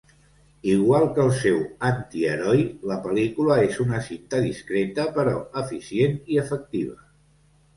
Igual que el seu antiheroi, la pel·lícula és una cinta discreta però eficient i efectiva.